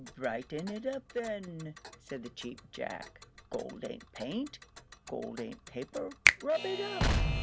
"Brighten it up, then," said the Cheap Jack. "Gold ain't paint; gold ain't paper; rub it up!"